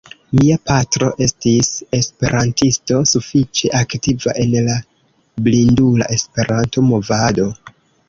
Mia patro estis esperantisto, sufiĉe aktiva en la blindula E-movado.